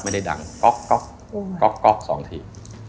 ไม่ได้ดังก๊อก๒ที